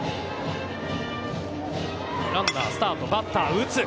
ランナースタート、バッター打つ。